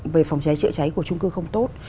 về phòng cháy chữa cháy của trung cư không tốt